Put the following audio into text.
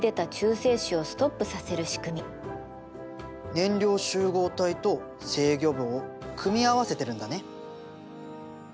燃料集合体と制御棒を組み合わせてるんだね。